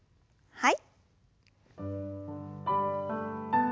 はい。